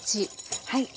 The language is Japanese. はい。